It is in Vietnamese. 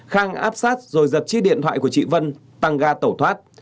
khang áp sát rồi giật chiếc điện thoại của chị vân tăng ga tẩu thoát